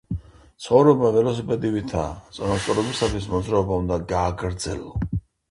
ცხოვრება ველოსიპედივითაა — წონასწორობისთვის მოძრაობა უნდა გააგრძელო